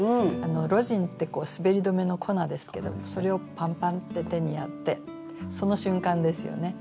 「ロジン」って滑り止めの粉ですけどもそれをパンパンッて手にやってその瞬間ですよね。